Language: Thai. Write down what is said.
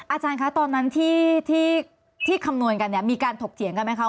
อาจารย์คะตอนนั้นที่คำนวณกันเนี่ยมีการถกเถียงกันไหมคะ